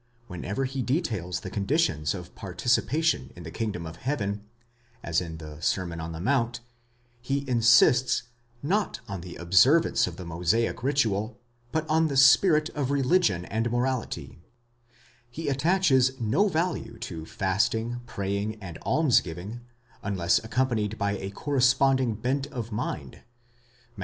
Whenever he details the conditions of participation in the kingdom of heaven, as in the Sermon on the Mount, he insists, not on the observance of the Mosaic ritual, but on the spirit of religion and morality ; he attaches no value to fasting, praying, and almsgiving, unless accompanied by a corresponding bent of mind (Matt.